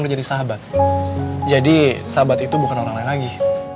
tapi sahabat itu bukan orang lain lagi